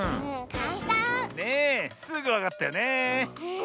ねえすぐわかったよねえ。